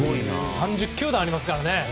３０球団ありますからね。